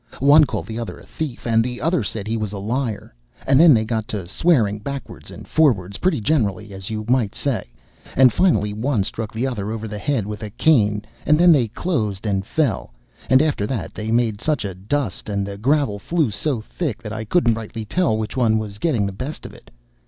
One called the other a thief, and the other said he was a liar, and then they got to swearing backwards and forwards pretty generally, as you might say, and finally one struck the other over the head with a cane, and then they closed and fell, and after that they made such a dust and the gravel flew so thick that I couldn't rightly tell which was getting the best of it.